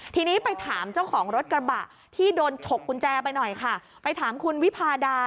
ทีนี้ไปถามเจ้าของรถกระบะที่โดนฉกกุญแจไปหน่อยค่ะไปถามคุณวิพาดา